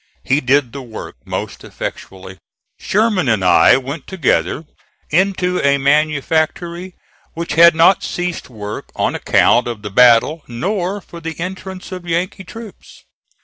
He did the work most effectually. Sherman and I went together into a manufactory which had not ceased work on account of the battle nor for the entrance of Yankee troops.